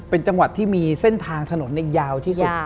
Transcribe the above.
เป็นจังหวัดที่มีเส้นทางถนนยาวที่สุด